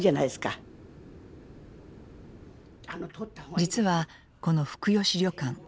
実はこの福吉旅館